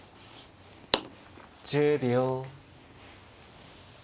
１０秒。